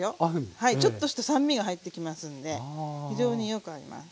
ちょっとした酸味が入ってきますんで非常によく合います。